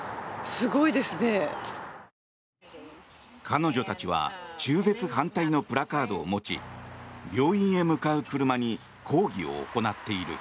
彼女たちは中絶反対のプラカードを持ち病院へ向かう車に抗議を行っている。